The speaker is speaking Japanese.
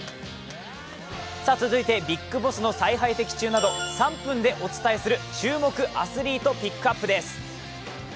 続いて、ＢＩＧＢＯＳＳの采配的中など、３分でお伝えする注目アスリートピックアップです。